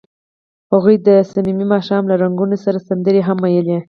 هغوی د صمیمي ماښام له رنګونو سره سندرې هم ویلې.